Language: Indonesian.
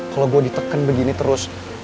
kalo gue diteken begini terus